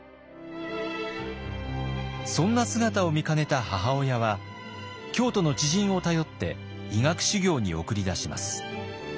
そんな姿を見かねた母親は京都の知人を頼って医学修行に送り出します。